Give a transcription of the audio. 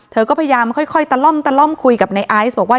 เธอก็พยายามค่อยตะล่อมตะล่อมคุยกับในไอซ์บอกว่า